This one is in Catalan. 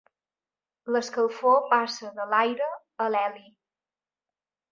L'escalfor passa de l'aire a l'heli.